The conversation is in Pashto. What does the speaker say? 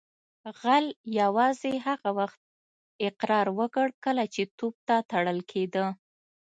غل یوازې هغه وخت اقرار وکړ کله چې توپ ته تړل کیده